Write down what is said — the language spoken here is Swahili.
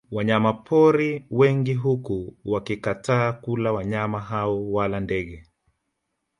Wanyama pori wengi huku wakikataa kula wanyama hao wala ndege